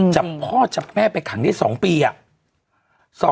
จับพ่อจับแม่ไปขังได้๒ปีอะ